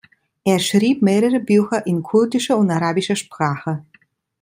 Er schrieb mehrere Bücher in kurdischer und arabischer Sprache.